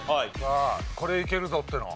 これいけるぞっていうの。